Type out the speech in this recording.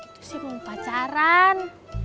itu sibuk pacaran